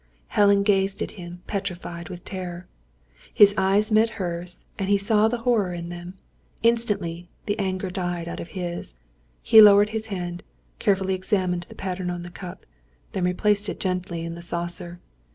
Helen gazed at him, petrified with terror. His eyes met hers, and he saw the horror in them. Instantly, the anger died out of his. He lowered his hand, carefully examined the pattern on the cup, then replaced it gently in the saucer.